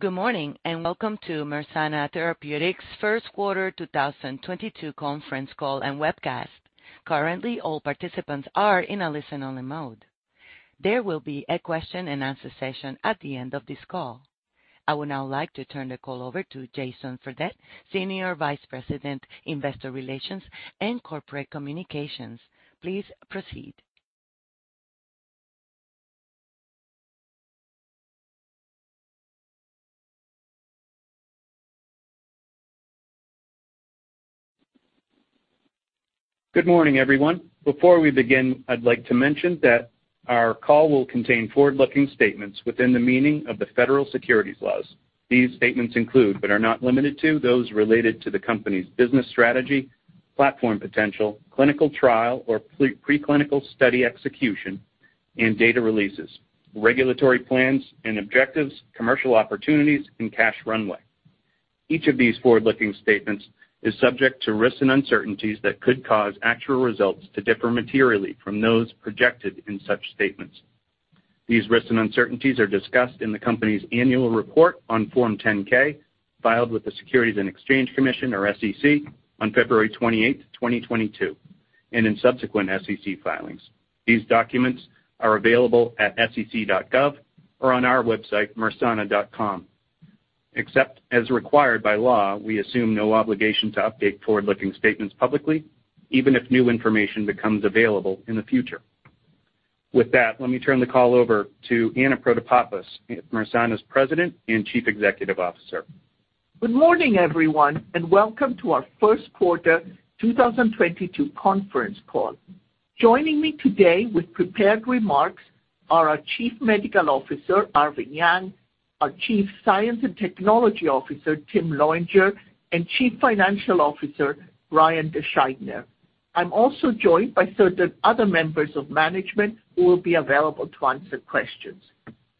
Good morning, and welcome to Mersana Therapeutics' first quarter 2022 conference call and webcast. Currently, all participants are in a listen-only mode. There will be a question and answer session at the end of this call. I would now like to turn the call over to Jason Fredette, Senior Vice President, Investor Relations and Corporate Communications. Please proceed. Good morning, everyone. Before we begin, I'd like to mention that our call will contain forward-looking statements within the meaning of the federal securities laws. These statements include, but are not limited to, those related to the company's business strategy, platform potential, clinical trial or preclinical study execution, and data releases, regulatory plans and objectives, commercial opportunities, and cash runway. Each of these forward-looking statements is subject to risks and uncertainties that could cause actual results to differ materially from those projected in such statements. These risks and uncertainties are discussed in the company's annual report on Form 10-K, filed with the Securities and Exchange Commission or SEC on February 28th, 2022, and in subsequent SEC filings. These documents are available at sec.gov or on our website, mersana.com. Except as required by law, we assume no obligation to update forward-looking statements publicly, even if new information becomes available in the future. With that, let me turn the call over to Anna Protopapas, Mersana's President and Chief Executive Officer. Good morning, everyone, and welcome to our first quarter 2022 conference call. Joining me today with prepared remarks are our Chief Medical Officer, Arvin Yang, our Chief Science and Technology Officer, Tim Lowinger, and Chief Financial Officer, Brian DeSchuytner. I'm also joined by certain other members of management who will be available to answer questions.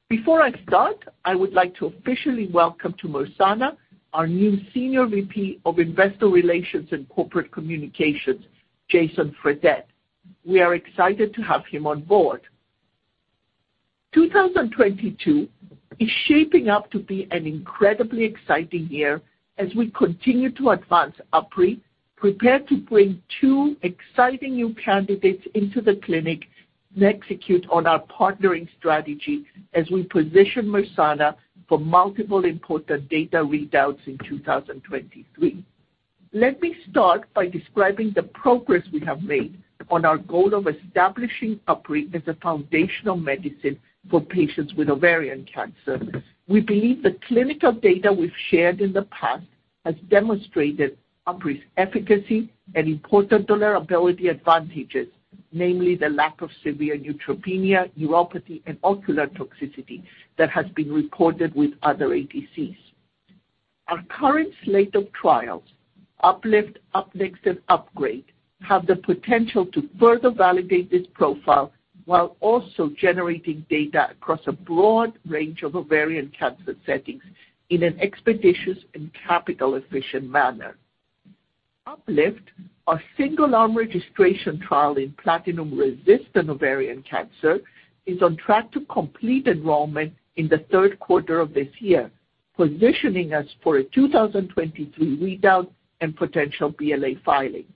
Before I start, I would like to officially welcome to Mersana our new Senior VP of Investor Relations and Corporate Communications, Jason Fredette. We are excited to have him on board. 2022 is shaping up to be an incredibly exciting year as we continue to advance UpRi, prepare to bring two exciting new candidates into the clinic, and execute on our partnering strategy as we position Mersana for multiple important data readouts in 2023. Let me start by describing the progress we have made on our goal of establishing UpRi as a foundational medicine for patients with ovarian cancer. We believe the clinical data we've shared in the past has demonstrated UpRi's efficacy and important tolerability advantages, namely the lack of severe neutropenia, neuropathy, and ocular toxicity that has been reported with other ADCs. Our current slate of trials, UPLIFT, UPNEXT, and UPGRADE, have the potential to further validate this profile while also generating data across a broad range of ovarian cancer settings in an expeditious and capital-efficient manner. UPLIFT, our single-arm registration trial in platinum-resistant ovarian cancer, is on track to complete enrollment in the third quarter of this year, positioning us for a 2023 readout and potential BLA filing.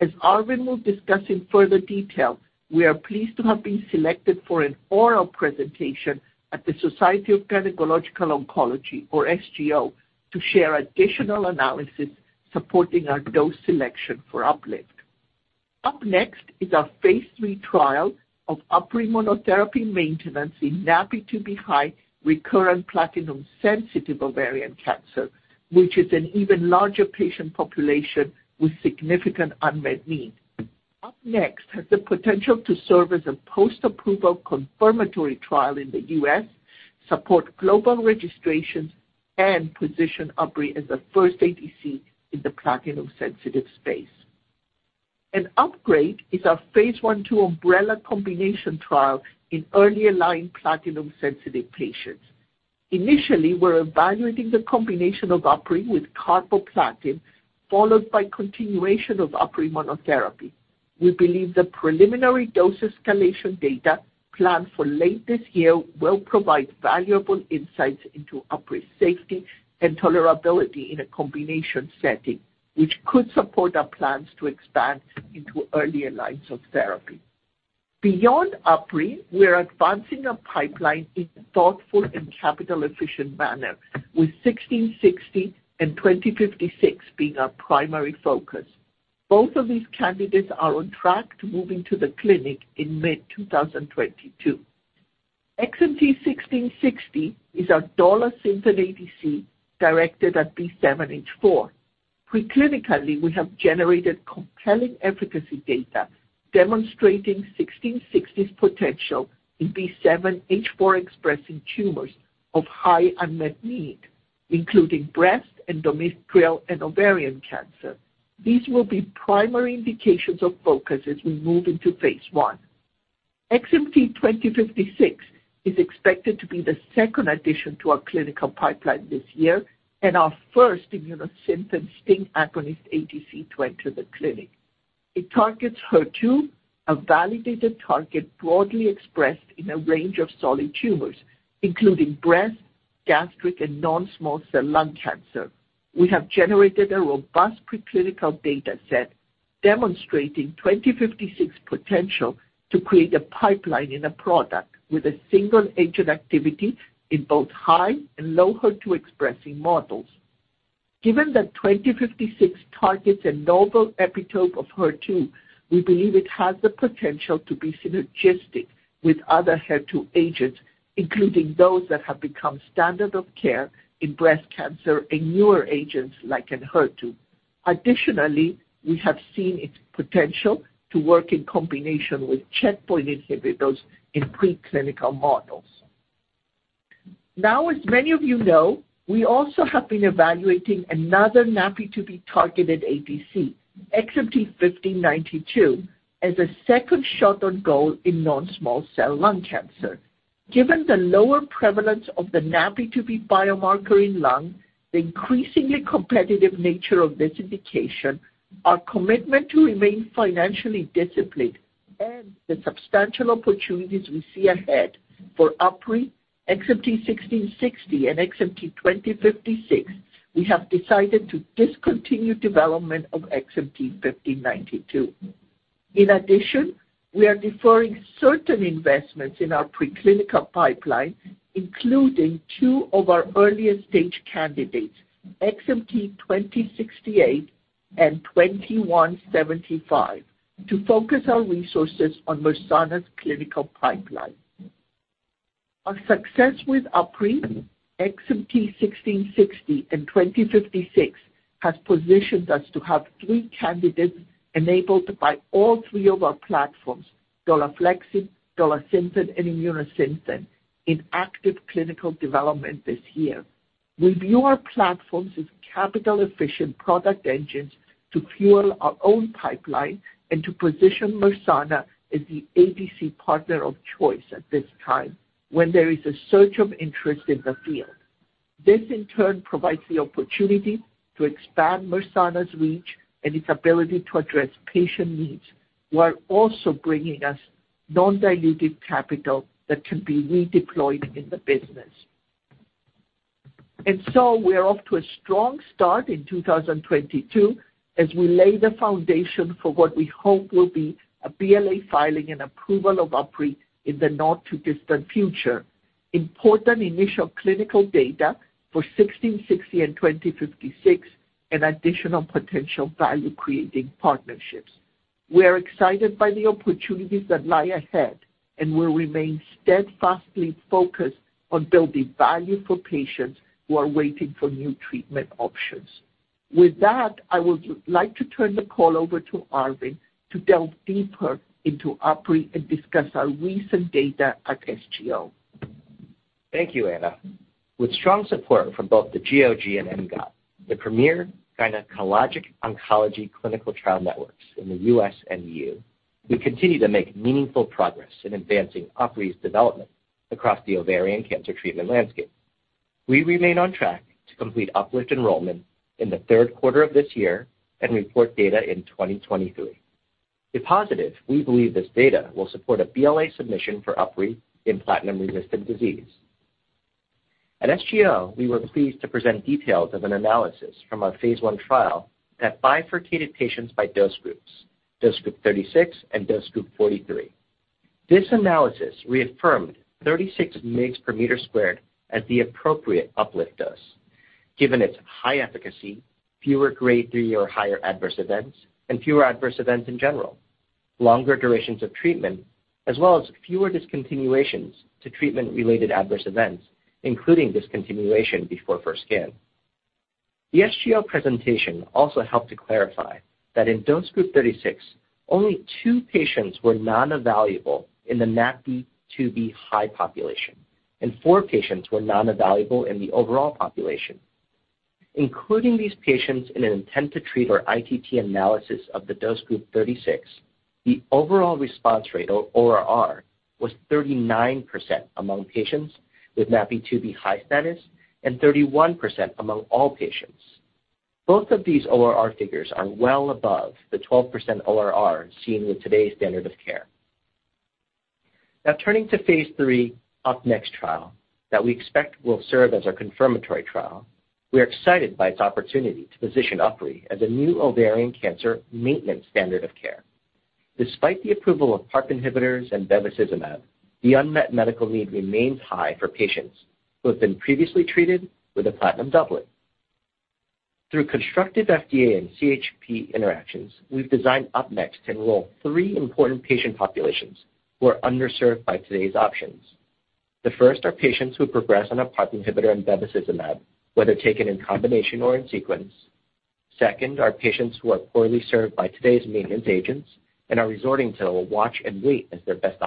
As Arvin will discuss in further detail, we are pleased to have been selected for an oral presentation at the Society of Gynecologic Oncology, or SGO, to share additional analysis supporting our dose selection for UPLIFT. UPNEXT is our phase III trial of UpRi monotherapy maintenance in NaPi2b-high recurrent platinum-sensitive ovarian cancer, which is an even larger patient population with significant unmet need. UPNEXT has the potential to serve as a post-approval confirmatory trial in the U.S., support global registrations, and position UpRi as the first ADC in the platinum-sensitive space. UPGRADE is our phase I/II umbrella combination trial in earlier-line platinum-sensitive patients. Initially, we're evaluating the combination of UpRi with carboplatin, followed by continuation of UpRi monotherapy. We believe the preliminary dose escalation data planned for late this year will provide valuable insights into UpRi's safety and tolerability in a combination setting, which could support our plans to expand into earlier lines of therapy. Beyond UpRi, we are advancing our pipeline in a thoughtful and capital-efficient manner, with 1660 and 2056 being our primary focus. Both of these candidates are on track to moving to the clinic in mid-2022. XMT-1660 is our Dolasynthen ADC directed at B7-H4. Preclinically, we have generated compelling efficacy data demonstrating 1660's potential in B7-H4-expressing tumors of high unmet need, including breast, endometrial, and ovarian cancer. These will be primary indications of focus as we move into phase I. XMT-2056 is expected to be the second addition to our clinical pipeline this year and our first Immunosynthen STING agonist ADC to enter the clinic. It targets HER2, a validated target broadly expressed in a range of solid tumors, including breast, gastric, and non-small cell lung cancer. We have generated a robust preclinical data set demonstrating 2056 potential to create a pipeline in a product with a single agent activity in both high and low HER2-expressing models. Given that 2056 targets a novel epitope of HER2, we believe it has the potential to be synergistic with other HER2 agents, including those that have become standard of care in breast cancer and newer agents like ENHERTU. Additionally, we have seen its potential to work in combination with checkpoint inhibitors in preclinical models. Now, as many of you know, we also have been evaluating another NaPi2b-targeted ADC, XMT-1592, as a second shot on goal in non-small cell lung cancer. Given the lower prevalence of the NaPi2b biomarker in lung, the increasingly competitive nature of this indication, our commitment to remain financially disciplined, and the substantial opportunities we see ahead for UpRi, XMT-1660, and XMT-2056, we have decided to discontinue development of XMT-1592. In addition, we are deferring certain investments in our preclinical pipeline, including two of our earlier-stage candidates, XMT-2068 and XMT-2175, to focus our resources on Mersana's clinical pipeline. Our success with UpRi, XMT-1660, and XMT-2056 has positioned us to have three candidates enabled by all three of our platforms, Dolaflexin, Dolasynthen, and Immunosynthen, in active clinical development this year. We view our platforms as capital-efficient product engines to fuel our own pipeline and to position Mersana as the ADC partner of choice at this time when there is a surge of interest in the field. This, in turn, provides the opportunity to expand Mersana's reach and its ability to address patient needs while also bringing us non-diluted capital that can be redeployed in the business. We're off to a strong start in 2022 as we lay the foundation for what we hope will be a BLA filing and approval of UpRi in the not-too-distant future, important initial clinical data for 1660 and 2056, and additional potential value-creating partnerships. We are excited by the opportunities that lie ahead and will remain steadfastly focused on building value for patients who are waiting for new treatment options. With that, I would like to turn the call over to Arvin to delve deeper into UpRi and discuss our recent data at SGO. Thank you, Anna. With strong support from both the GOG and ENGOT, the premier gynecologic oncology clinical trial networks in the U.S. and EU, we continue to make meaningful progress in advancing UpRi's development across the ovarian cancer treatment landscape. We remain on track to complete UPLIFT enrollment in the third quarter of this year and report data in 2023. If positive, we believe this data will support a BLA submission for UpRi in platinum-resistant disease. At SGO, we were pleased to present details of an analysis from our phase I trial that bifurcated patients by dose groups, dose group 36 and dose group 43. This analysis reaffirmed 36 mg/m² as the appropriate UPLIFT dose, given its high efficacy, fewer Grade 3 or higher adverse events, and fewer adverse events in general, longer durations of treatment, as well as fewer discontinuations to treatment-related adverse events, including discontinuation before first scan. The SGO presentation also helped to clarify that in dose group 36, only two patients were non-evaluable in the NaPi2b high population, and four patients were non-evaluable in the overall population. Including these patients in an intent-to-treat or ITT analysis of the dose group 36, the overall response rate, ORR, was 39% among patients with NaPi2b high status and 31% among all patients. Both of these ORR figures are well above the 12% ORR seen with today's standard of care. Now turning to phase III UPNEXT trial that we expect will serve as our confirmatory trial, we are excited by its opportunity to position UpRi as a new ovarian cancer maintenance standard of care. Despite the approval of PARP inhibitors and bevacizumab, the unmet medical need remains high for patients who have been previously treated with a platinum doublet. Through constructive FDA and CHMP interactions, we've designed UPNEXT to enroll three important patient populations who are underserved by today's options. The first are patients who progress on a PARP inhibitor and bevacizumab, whether taken in combination or in sequence. Second are patients who are poorly served by today's maintenance agents and are resorting to watch and wait as their best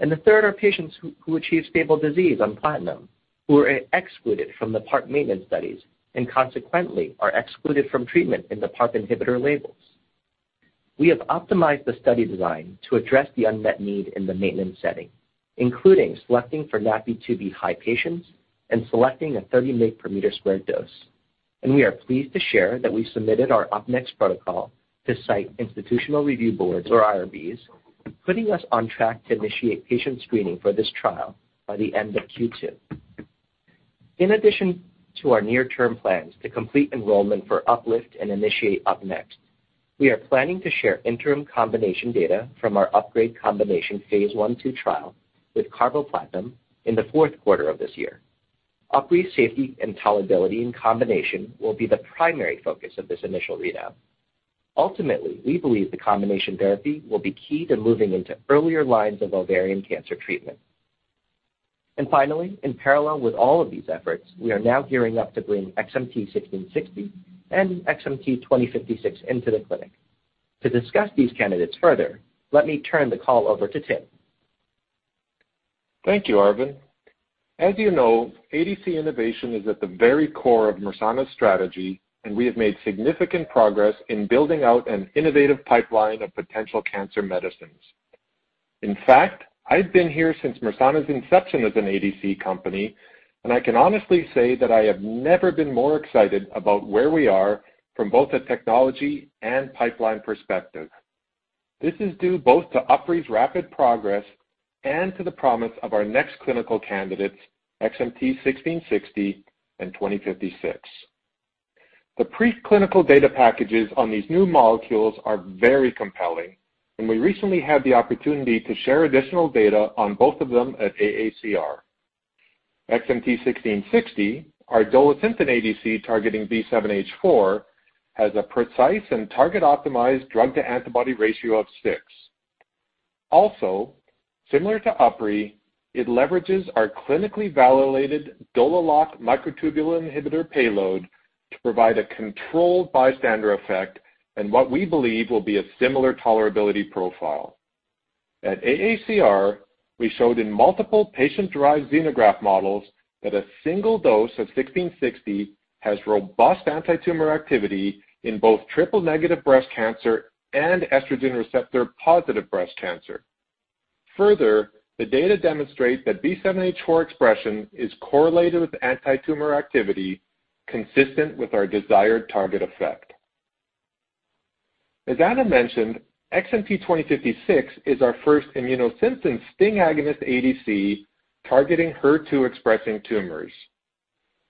option. The third are patients who achieve stable disease on platinum who are excluded from the PARP maintenance studies and consequently are excluded from treatment in the PARP inhibitor labels. We have optimized the study design to address the unmet need in the maintenance setting, including selecting for NaPi2b high patients and selecting a 30 mg/m² dose. We are pleased to share that we submitted our UpNext protocol to site institutional review boards or IRBs, putting us on track to initiate patient screening for this trial by the end of Q2. In addition to our near-term plans to complete enrollment for UPLIFT and initiate UPNEXT, we are planning to share interim combination data from our UPGRADE combination phase I/II trial with carboplatin in the fourth quarter of this year. UpRi's safety and tolerability and combination will be the primary focus of this initial readout. Ultimately, we believe the combination therapy will be key to moving into earlier lines of ovarian cancer treatment. Finally, in parallel with all of these efforts, we are now gearing up to bring XMT-1660 and XMT-2056 into the clinic. To discuss these candidates further, let me turn the call over to Tim. Thank you, Arvin. As you know, ADC innovation is at the very core of Mersana's strategy, and we have made significant progress in building out an innovative pipeline of potential cancer medicines. In fact, I've been here since Mersana's inception as an ADC company, and I can honestly say that I have never been more excited about where we are from both a technology and pipeline perspective. This is due both to UpRi's rapid progress and to the promise of our next clinical candidates, XMT-1660 and XMT-2056. The preclinical data packages on these new molecules are very compelling, and we recently had the opportunity to share additional data on both of them at AACR. XMT-1660, our Dolasynthen ADC targeting B7-H4, has a precise and target-optimized drug to antibody ratio of six. Also, similar to UpRi, it leverages our clinically validated DolaLock microtubule inhibitor payload to provide a controlled bystander effect and what we believe will be a similar tolerability profile. At AACR, we showed in multiple patient-derived xenograft models that a single dose of 1660 has robust antitumor activity in both triple-negative breast cancer and estrogen receptor-positive breast cancer. Further, the data demonstrates that B7-H4 expression is correlated with antitumor activity consistent with our desired target effect. As Anna mentioned, XMT-2056 is our first Immunosynthen STING-agonist ADC targeting HER2-expressing tumors.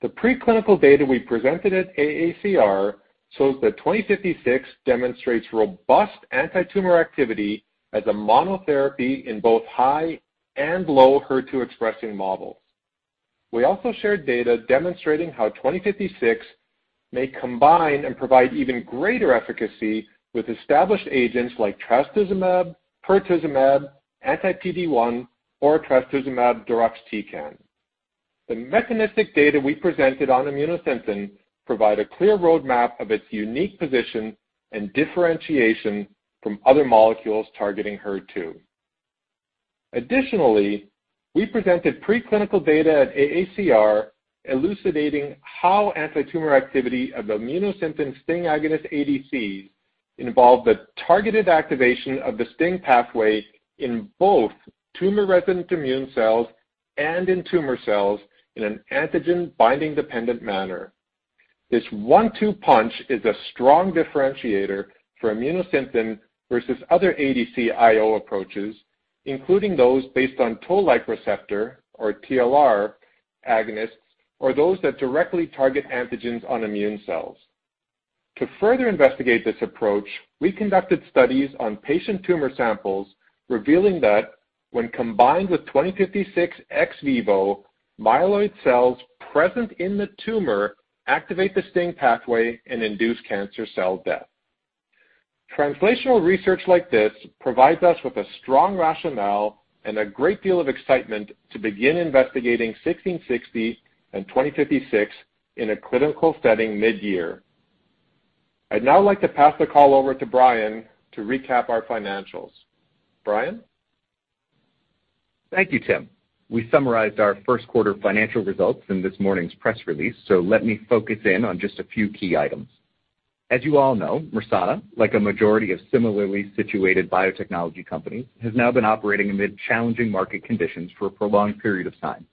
The preclinical data we presented at AACR shows that 2056 demonstrates robust antitumor activity as a monotherapy in both high and low HER2-expressing models. We also shared data demonstrating how 2056 may combine and provide even greater efficacy with established agents like trastuzumab, pertuzumab, anti-PD-1, or trastuzumab deruxtecan. The mechanistic data we presented on Immunosynthen provide a clear roadmap of its unique position and differentiation from other molecules targeting HER2. Additionally, we presented preclinical data at AACR elucidating how antitumor activity of the Immunosynthen STING-agonist ADCs involve the targeted activation of the STING pathway in both tumor-resident immune cells and in tumor cells in an antigen binding-dependent manner. This one-two punch is a strong differentiator for Immunosynthen versus other ADC IO approaches, including those based on toll-like receptor or TLR agonists, or those that directly target antigens on immune cells. To further investigate this approach, we conducted studies on patient tumor samples revealing that when combined with XMT-2056 ex vivo, myeloid cells present in the tumor activate the STING pathway and induce cancer cell death. Translational research like this provides us with a strong rationale and a great deal of excitement to begin investigating XMT-1660 and XMT-2056 in a clinical setting mid-year. I'd now like to pass the call over to Brian DeSchuytner to recap our financials. Brian? Thank you, Tim. We summarized our first quarter financial results in this morning's press release, so let me focus in on just a few key items. As you all know, Mersana, like a majority of similarly situated biotechnology companies, has now been operating amid challenging market conditions for a prolonged period of time.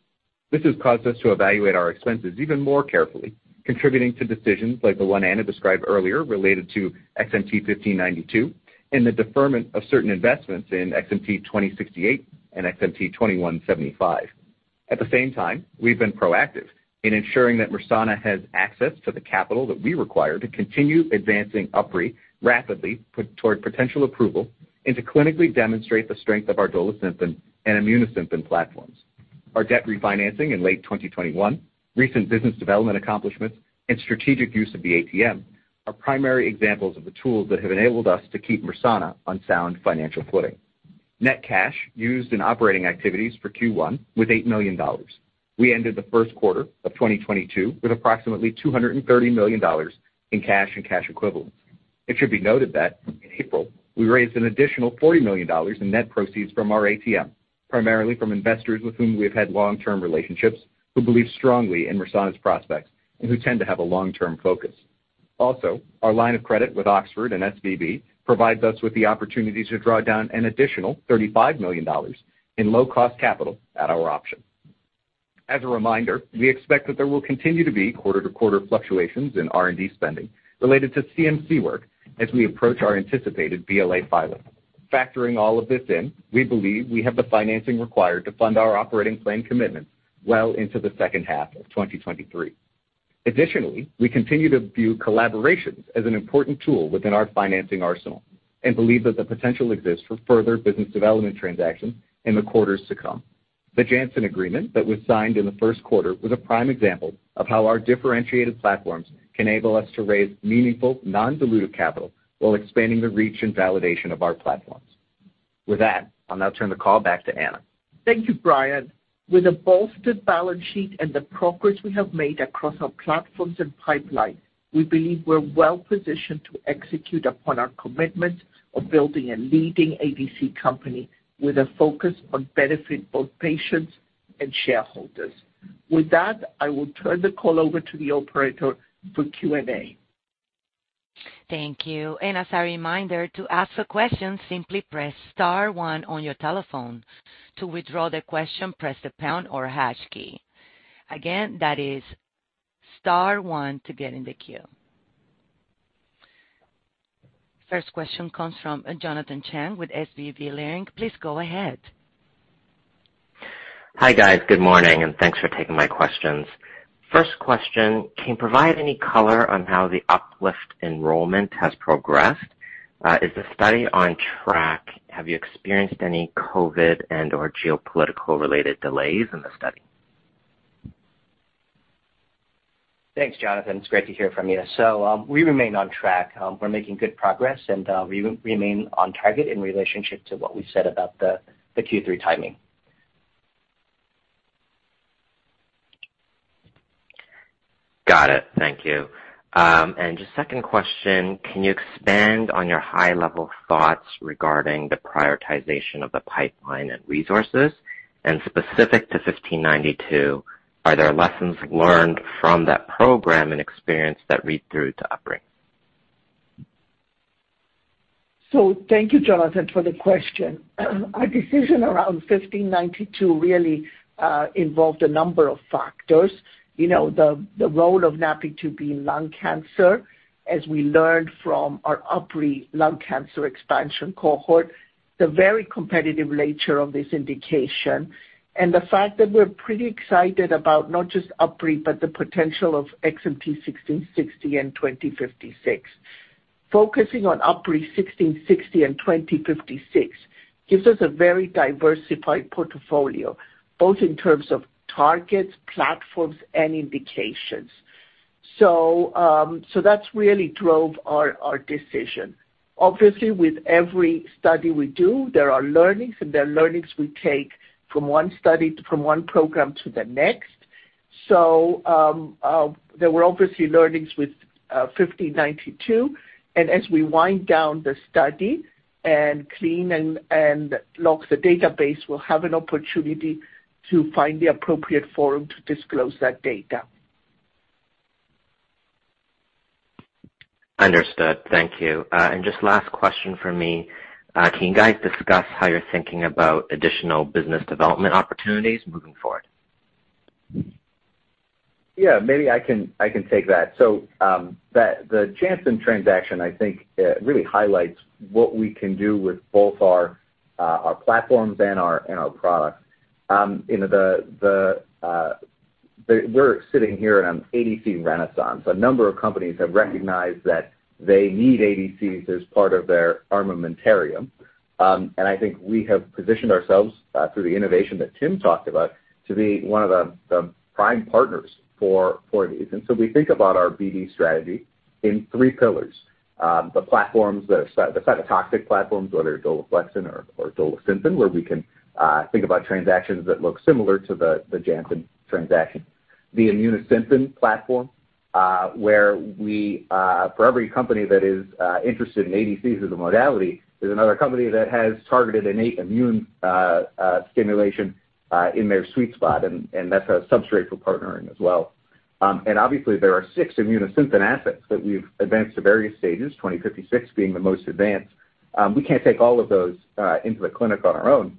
This has caused us to evaluate our expenses even more carefully, contributing to decisions like the one Anna described earlier related to XMT-1592 and the deferment of certain investments in XMT-2068 and XMT-2175. At the same time, we've been proactive in ensuring that Mersana has access to the capital that we require to continue advancing UpRi rapidly toward potential approval and to clinically demonstrate the strength of our Dolasynthen and Immunosynthen platforms. Our debt refinancing in late 2021, recent business development accomplishments, and strategic use of the ATM are primary examples of the tools that have enabled us to keep Mersana on sound financial footing. Net cash used in operating activities for Q1 was $8 million. We ended the first quarter of 2022 with approximately $230 million in cash and cash equivalents. It should be noted that in April we raised an additional $40 million in net proceeds from our ATM. Primarily from investors with whom we have had long-term relationships who believe strongly in Mersana's prospects and who tend to have a long-term focus. Also, our line of credit with Oxford Finance and SVB provides us with the opportunity to draw down an additional $35 million in low-cost capital at our option. As a reminder, we expect that there will continue to be quarter-to-quarter fluctuations in R&D spending related to CMC work as we approach our anticipated BLA filing. Factoring all of this in, we believe we have the financing required to fund our operating plan commitments well into the second half of 2023. Additionally, we continue to view collaborations as an important tool within our financing arsenal and believe that the potential exists for further business development transactions in the quarters to come. The Janssen agreement that was signed in the first quarter was a prime example of how our differentiated platforms can enable us to raise meaningful non-dilutive capital while expanding the reach and validation of our platforms. With that, I'll now turn the call back to Anna. Thank you, Brian. With a bolstered balance sheet and the progress we have made across our platforms and pipeline, we believe we're well-positioned to execute upon our commitment of building a leading ADC company with a focus on benefiting both patients and shareholders. With that, I will turn the call over to the operator for Q&A. Thank you. As a reminder, to ask a question, simply press star one on your telephone. To withdraw the question, press the pound or hash key. Again, that is star one to get in the queue. First question comes from Jonathan Chang with SVB Leerink. Please go ahead. Hi, guys. Good morning, and thanks for taking my questions. First question, can you provide any color on how the UPLIFT enrollment has progressed? Is the study on track? Have you experienced any COVID and/or geopolitical-related delays in the study? Thanks, Jonathan. It's great to hear from you. We remain on track. We're making good progress, and we remain on target in relationship to what we said about the Q3 timing. Got it. Thank you. Just second question, can you expand on your high-level thoughts regarding the prioritization of the pipeline and resources? Specific to XMT-1592, are there lessons learned from that program and experience that read through to UpRi? Thank you, Jonathan, for the question. Our decision around XMT-1592 really involved a number of factors. You know, the role of NaPi2b being lung cancer, as we learned from our UpRi lung cancer expansion cohort, the very competitive nature of this indication, and the fact that we're pretty excited about not just UpRi, but the potential of XMT-1660 and XMT-2056. Focusing on UpRi, XMT-1660, and XMT-2056 gives us a very diversified portfolio, both in terms of targets, platforms, and indications. That's really drove our decision. Obviously, with every study we do, there are learnings, and they're learnings we take from one program to the next. There were obviously learnings with 1592, and as we wind down the study and clean and lock the database, we'll have an opportunity to find the appropriate forum to disclose that data. Understood. Thank you. Just last question from me. Can you guys discuss how you're thinking about additional business development opportunities moving forward? Yeah, maybe I can take that. The Janssen transaction, I think, really highlights what we can do with both our platforms and our products. You know, we're sitting here in an ADC renaissance. A number of companies have recognized that they need ADCs as part of their armamentarium. I think we have positioned ourselves through the innovation that Tim talked about to be one of the prime partners for these. We think about our BD strategy in three pillars. The platforms, the cytotoxic platforms, whether it's Dolaflexin or Dolasynthen, where we can think about transactions that look similar to the Janssen transaction. The Immunosynthen platform, where we, for every company that is interested in ADCs as a modality, there's another company that has targeted innate immune stimulation in their sweet spot, and that's a substrate for partnering as well. Obviously, there are six Immunosynthen assets that we've advanced to various stages, XMT-2056 being the most advanced. We can't take all of those into the clinic on our own.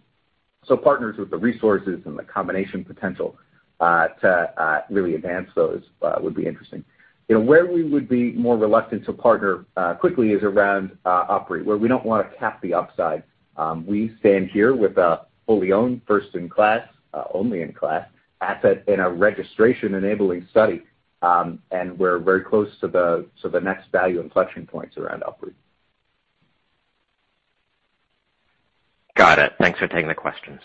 Partners with the resources and the combination potential to really advance those would be interesting. You know, where we would be more reluctant to partner quickly is around UpRi, where we don't wanna cap the upside. We stand here with a fully owned first-in-class, only-in-class asset in a registration-enabling study, and we're very close to the next value inflection points around UpRi. Got it. Thanks for taking the questions.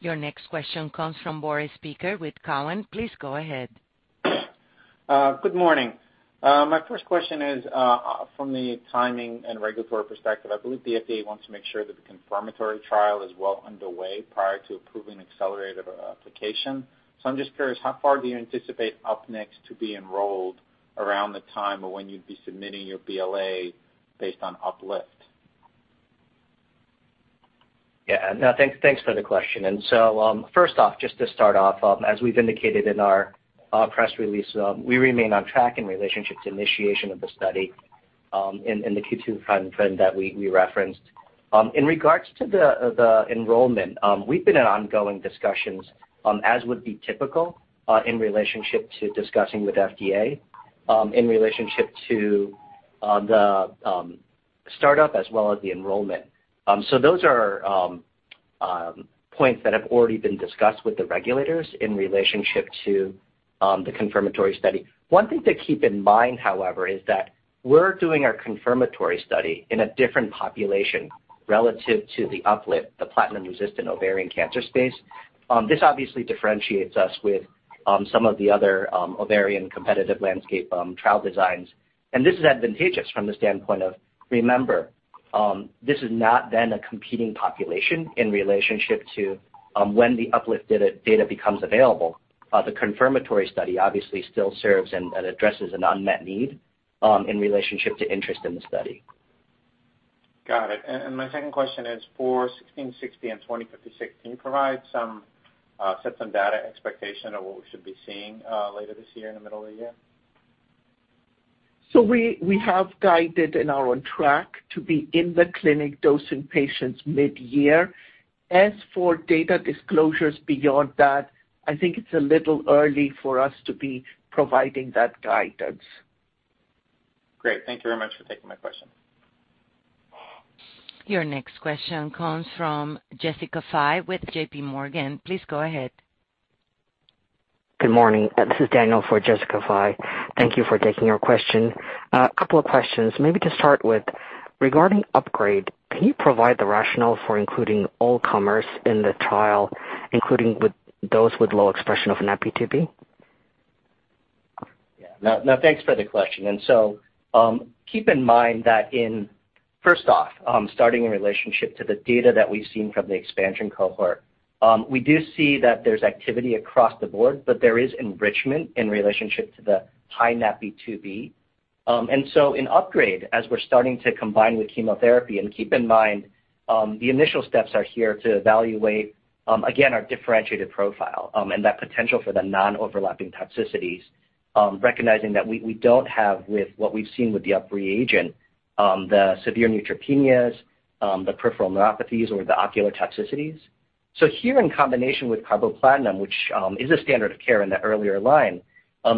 Your next question comes from Boris Peaker with Cowen. Please go ahead. Good morning. My first question is, from the timing and regulatory perspective, I believe the FDA wants to make sure that the confirmatory trial is well underway prior to approving accelerated application. I'm just curious, how far do you anticipate UPNEXT to be enrolled around the time of when you'd be submitting your BLA based on UPLIFT? Yeah. No, thanks for the question. First off, just to start off, as we've indicated in our press release, we remain on track in relationship to initiation of the study, in the Q2 timeframe that we referenced. In regards to the enrollment, we've been in ongoing discussions, as would be typical, in relationship to discussing with FDA, in relationship to the startup as well as the enrollment. Those are points that have already been discussed with the regulators in relationship to the confirmatory study. One thing to keep in mind, however, is that we're doing our confirmatory study in a different population relative to the UPLIFT, the platinum-resistant ovarian cancer space. This obviously differentiates us with some of the other ovarian competitive landscape trial designs. This is advantageous from the standpoint of remember this is not then a competing population in relationship to when the UPLIFT data becomes available. The confirmatory study obviously still serves and addresses an unmet need in relationship to interest in the study. Got it. My second question is for XMT-1660 and XMT-2056, can you provide some set some data expectation on what we should be seeing later this year in the middle of the year? We have guided and are on track to be in the clinic dosing patients mid-year. As for data disclosures beyond that, I think it's a little early for us to be providing that guidance. Great. Thank you very much for taking my question. Your next question comes from Jessica Fye with JPMorgan. Please go ahead. Good morning. This is Daniel for Jessica Fye. Thank you for taking our question. A couple of questions. Maybe to start with regarding UPGRADE, can you provide the rationale for including all comers in the trial, including with those with low expression of NaPi2b? Yeah. No, no, thanks for the question. Keep in mind that in first off, starting in relationship to the data that we've seen from the expansion cohort, we do see that there's activity across the board, but there is enrichment in relationship to the high NaPi2b. In UPGRADE, as we're starting to combine with chemotherapy, and keep in mind, the initial steps are here to evaluate again our differentiated profile, and that potential for the non-overlapping toxicities, recognizing that we don't have with what we've seen with the UpRi agent, the severe neutropenias, the peripheral neuropathies or the ocular toxicities. Here in combination with carboplatin, which is a standard of care in the earlier line,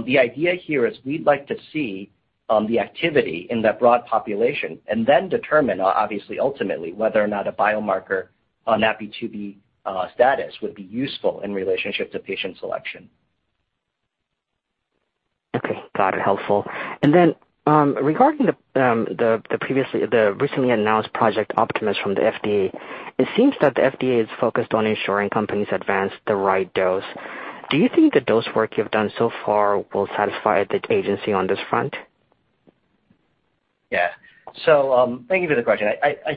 the idea here is we'd like to see the activity in that broad population and then determine obviously ultimately whether or not a biomarker, NaPi2b, status would be useful in relationship to patient selection. Okay. Got it. Helpful. Regarding the recently announced Project Optimus from the FDA, it seems that the FDA is focused on ensuring companies advance the right dose. Do you think the dose work you've done so far will satisfy the agency on this front? Yeah. Thank you for the question. I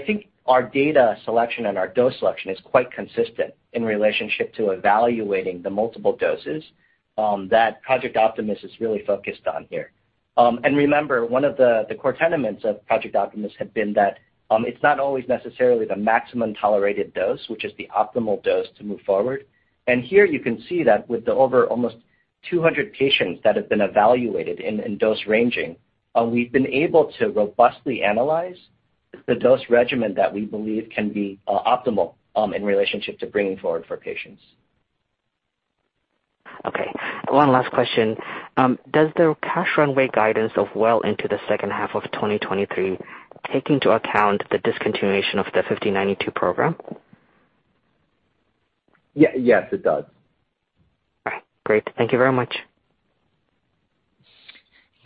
think our data selection and our dose selection is quite consistent in relationship to evaluating the multiple doses that Project Optimus is really focused on here. Remember, one of the core tenets of Project Optimus had been that it's not always necessarily the maximum tolerated dose, which is the optimal dose to move forward. Here you can see that with the over almost 200 patients that have been evaluated in dose ranging, we've been able to robustly analyze the dose regimen that we believe can be optimal in relationship to bringing forward for patients. Okay. One last question. Does the cash runway guidance of well into the second half of 2023 take into account the discontinuation of the XMT-1592 program? Yes, it does. Great. Thank you very much.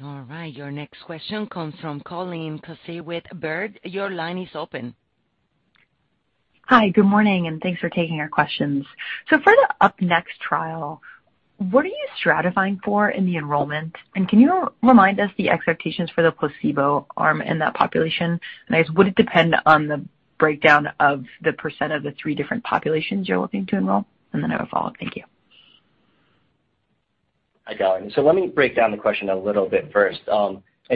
All right. Your next question comes from Colleen Kusy with Baird. Your line is open. Hi. Good morning, and thanks for taking our questions. For the UPNEXT trial, what are you stratifying for in the enrollment? Can you remind us the expectations for the placebo arm in that population? I guess, would it depend on the breakdown of the percent of the three different populations you're looking to enroll? I have a follow-up. Thank you. Hi, Colleen. Let me break down the question a little bit first.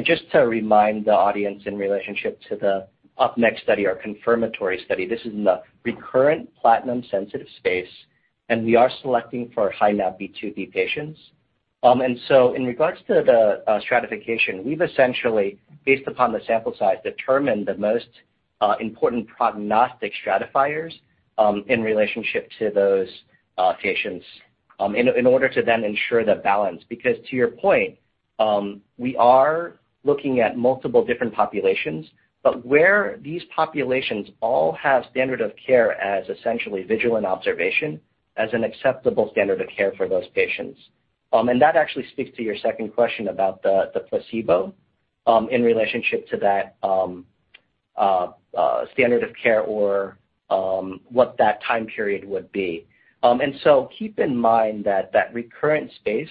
Just to remind the audience in relationship to the UPNEXT study or confirmatory study, this is in the recurrent platinum sensitive space, and we are selecting for high NaPi2b patients. In regards to the stratification, we've essentially, based upon the sample size, determined the most important prognostic stratifiers in relationship to those patients in order to then ensure the balance. Because to your point, we are looking at multiple different populations, but where these populations all have standard of care as essentially vigilant observation as an acceptable standard of care for those patients. That actually speaks to your second question about the placebo in relationship to that standard of care or what that time period would be. Keep in mind that recurrent space,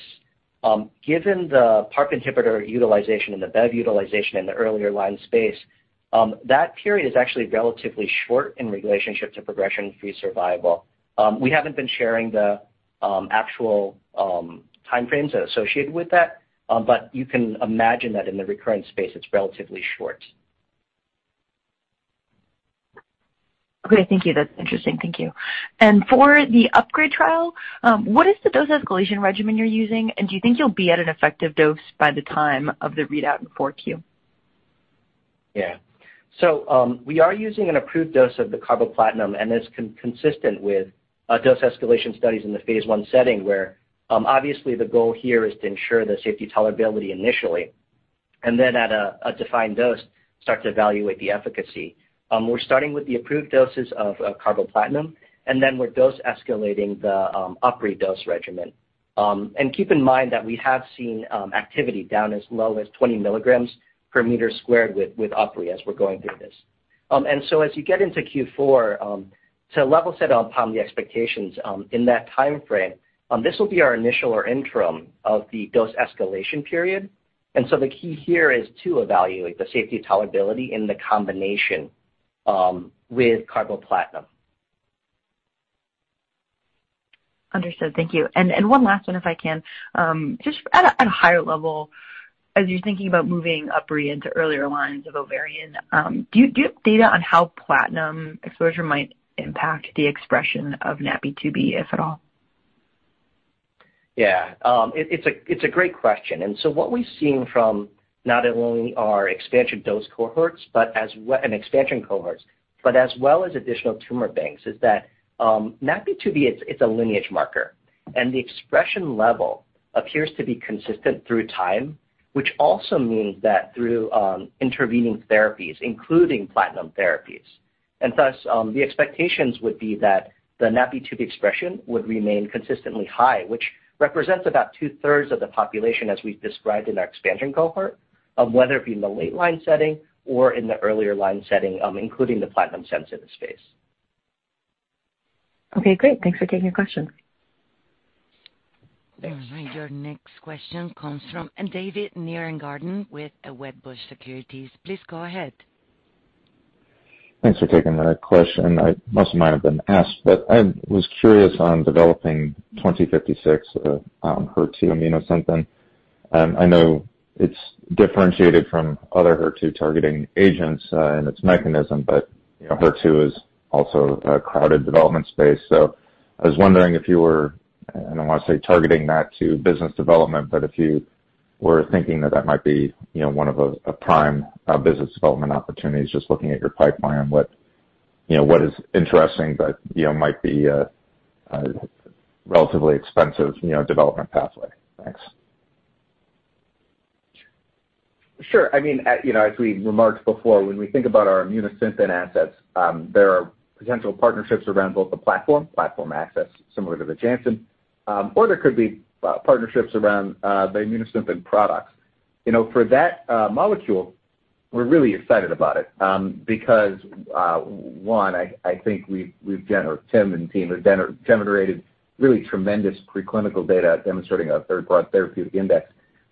given the PARP inhibitor utilization and the bev utilization in the earlier line space, that period is actually relatively short in relationship to progression-free survival. We haven't been sharing the actual time frames that are associated with that, but you can imagine that in the recurrent space, it's relatively short. Okay. Thank you. That's interesting. Thank you. For the UPGRADE trial, what is the dose escalation regimen you're using? Do you think you'll be at an effective dose by the time of the readout in 4Q? We are using an approved dose of the carboplatin, and it's consistent with dose escalation studies in the phase I setting where obviously the goal here is to ensure the safety tolerability initially, and then at a defined dose, start to evaluate the efficacy. We're starting with the approved doses of carboplatin, and then we're dose escalating the UpRi dose regimen. Keep in mind that we have seen activity down as low as 20 mg/m² with UpRi as we're going through this. As you get into Q4, to level set upon the expectations, in that time frame, this will be our initial or interim of the dose escalation period. The key here is to evaluate the safety tolerability in the combination with carboplatin. Understood. Thank you. One last one if I can. Just at a higher level, as you're thinking about moving UpRi into earlier lines of ovarian, do you have data on how platinum exposure might impact the expression of NaPi2b, if at all? Yeah. It's a great question. What we've seen from not only our expansion dose cohorts, but as well as additional tumor banks, is that NaPi2b it's a lineage marker, and the expression level appears to be consistent through time, which also means that through intervening therapies, including platinum therapies. The expectations would be that the NaPi2b expression would remain consistently high, which represents about two-thirds of the population as we've described in our expansion cohort, whether it be in the late line setting or in the earlier line setting, including the platinum-sensitive space. Okay, great. Thanks for taking the question. Thanks. All right, your next question comes from David Nierengarten with Wedbush Securities. Please go ahead. Thanks for taking my question. This might have been asked, but I was curious on developing 2056, HER2 Immunosynthen. I know it's differentiated from other HER2 targeting agents, in its mechanism, but, you know, HER2 is also a crowded development space. I was wondering if you were, I don't wanna say targeting that to business development, but if you were thinking that that might be, you know, one of a prime, business development opportunities, just looking at your pipeline, what, you know, what is interesting but, you know, might be a relatively expensive, you know, development pathway. Thanks. Sure. I mean, you know, as we remarked before, when we think about our Immunosynthen assets, there are potential partnerships around both the platform access similar to the Janssen, or there could be partnerships around the Immunosynthen products. You know, for that molecule, we're really excited about it, because one, I think Tim and the team have generated really tremendous preclinical data demonstrating a very broad therapeutic index.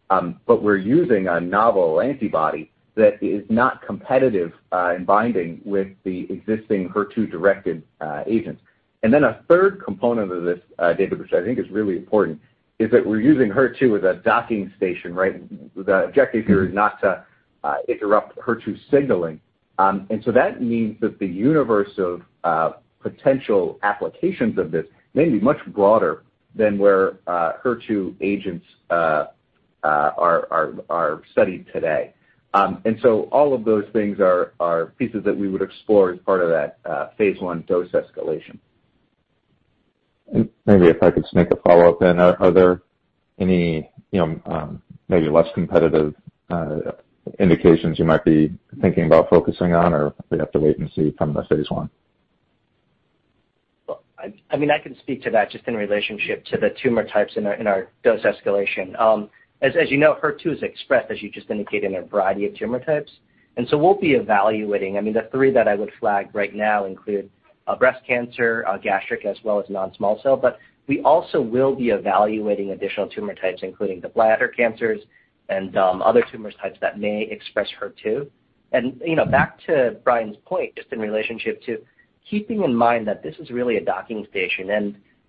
But we're using a novel antibody that is not competitive in binding with the existing HER2-directed agents. Then a third component of this, David, which I think is really important, is that we're using HER2 as a docking station, right? The objective here is not to interrupt HER2 signaling. That means that the universe of potential applications of this may be much broader than where HER2 agents are studied today. All of those things are pieces that we would explore as part of that phase I dose escalation. Maybe if I could just make a follow-up then. Are there any, you know, maybe less competitive indications you might be thinking about focusing on, or we'd have to wait and see from the phase I? Well, I mean, I can speak to that just in relationship to the tumor types in our dose escalation. As you know, HER2 is expressed, as you just indicated, in a variety of tumor types. We'll be evaluating, I mean, the three that I would flag right now include breast cancer, gastric, as well as non-small cell, but we also will be evaluating additional tumor types, including the bladder cancers and other tumor types that may express HER2. You know, back to Brian's point, just in relationship to keeping in mind that this is really a docking station,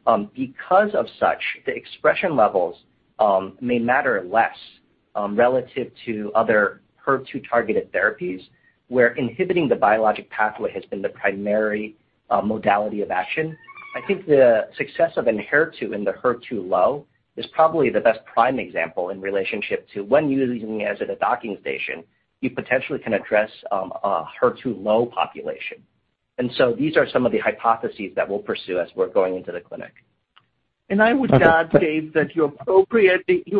and because of such, the expression levels may matter less relative to other HER2-targeted therapies, where inhibiting the biologic pathway has been the primary modality of action. I think the success of ENHERTU in the HER2-low is probably the best prime example in relationship to when using as a docking station, you potentially can address a HER2-low population. These are some of the hypotheses that we'll pursue as we're going into the clinic. I would add, David, that you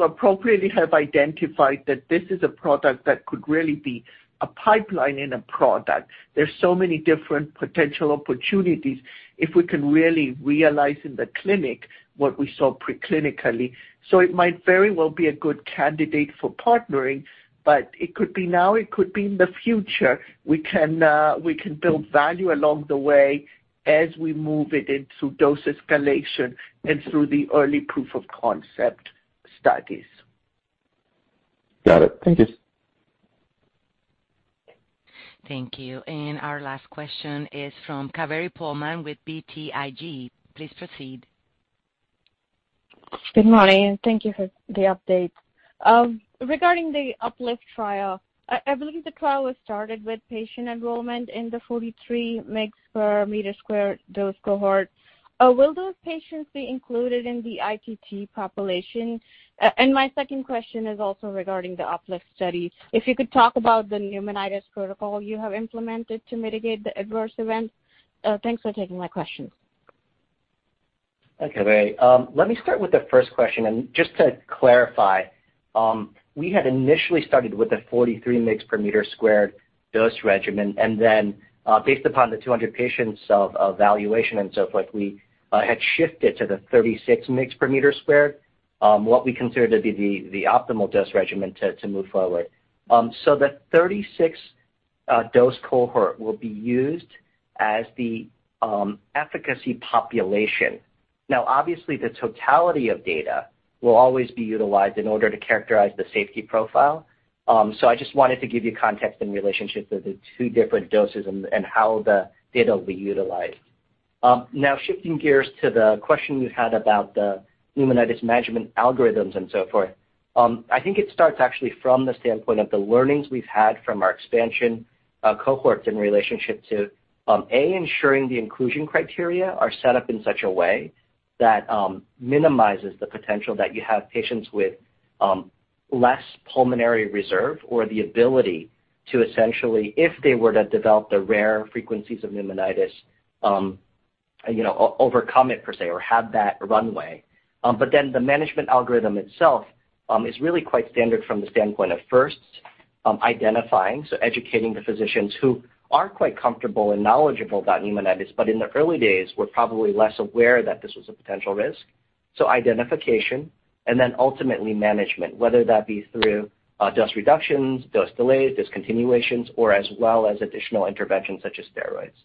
appropriately have identified that this is a product that could really be a pipeline in a product. There's so many different potential opportunities if we can really realize in the clinic what we saw preclinically. It might very well be a good candidate for partnering, but it could be now, it could be in the future. We can build value along the way as we move it into dose escalation and through the early proof of concept studies. Got it. Thank you. Thank you. Our last question is from Kaveri Pohlman with BTIG. Please proceed. Good morning, and thank you for the update. Regarding the UPLIFT trial, I believe the trial was started with patient enrollment in the 43 mg/m² dose cohort. Will those patients be included in the ITT population? My second question is also regarding the UPLIFT study. If you could talk about the pneumonitis protocol you have implemented to mitigate the adverse events. Thanks for taking my questions. Okay. Let me start with the first question. Just to clarify, we had initially started with a 43 mg/m² dose regimen and then, based upon the 200 patients, evaluation and so forth, we had shifted to the 36 mg/m², what we consider to be the optimal dose regimen to move forward. The 36 dose cohort will be used as the efficacy population. Now, obviously, the totality of data will always be utilized in order to characterize the safety profile. I just wanted to give you context in relationship to the two different doses and how the data will be utilized. Now shifting gears to the question you had about the pneumonitis management algorithms and so forth. I think it starts actually from the standpoint of the learnings we've had from our expansion cohorts in relationship to ensuring the inclusion criteria are set up in such a way that minimizes the potential that you have patients with less pulmonary reserve or the ability to essentially, if they were to develop the rare frequencies of pneumonitis, you know, overcome it per se, or have that runway. Then the management algorithm itself is really quite standard from the standpoint of first identifying, so educating the physicians who are quite comfortable and knowledgeable about pneumonitis, but in the early days were probably less aware that this was a potential risk. Identification and then ultimately management, whether that be through dose reductions, dose delays, discontinuations, or as well as additional interventions such as steroids.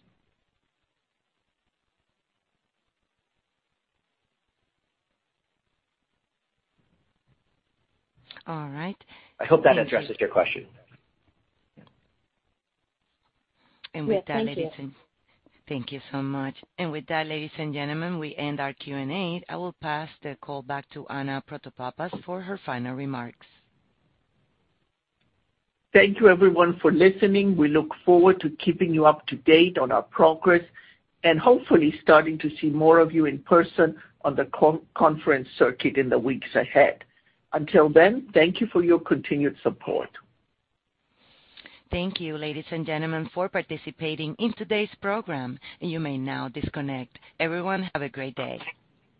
All right. I hope that addresses your question. And with that, ladies and. Yes. Thank you. Thank you so much. With that, ladies and gentlemen, we end our Q&A. I will pass the call back to Anna Protopapas for her final remarks. Thank you everyone for listening. We look forward to keeping you up to date on our progress and hopefully starting to see more of you in person on the conference circuit in the weeks ahead. Until then, thank you for your continued support. Thank you, ladies and gentlemen, for participating in today's program. You may now disconnect. Everyone, have a great day.